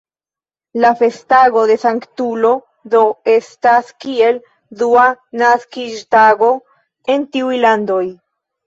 La festotago de Sanktulo do estas kiel dua naskiĝtago, en tiuj landoj.